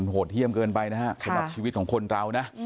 โหดเยี่ยมเกินไปนะฮะสำหรับชีวิตของคนเรานะ